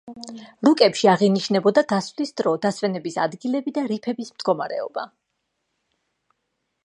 რუკებში აღინიშნებოდა გასვლის დრო, დასვენების ადგილები და რიფების მდებარეობა.